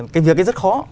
cái việc ấy rất khó